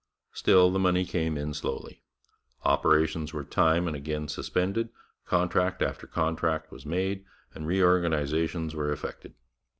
Still, the money came in slowly. Operations were time and again suspended, contract after contract was made, and reorganizations were effected.